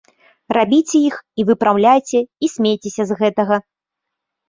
Рабіце іх, і выпраўляйце, і смейцеся з гэтага.